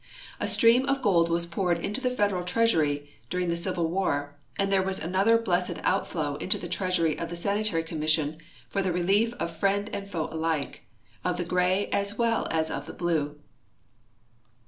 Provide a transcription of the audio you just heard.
A stream of gold was poured into the Federal Treasury during the civil war, and there was another blessed outflow into the treasury of the sanitary commission for the relief of friend and foe alike, of the Gray as well as of the Blue.